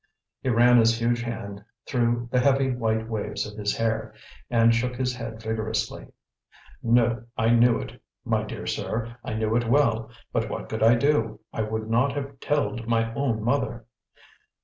He ran his huge hand through the heavy white waves of his hair, and shook his head vigorously. "No; I knew it, my dear sir, I knew it well. But, what could I do? I would not have telled my own mother!